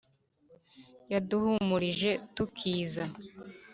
Yaduhumurije tukiza